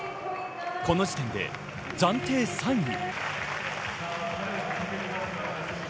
この時点で暫定３位に。